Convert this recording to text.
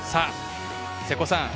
瀬古さん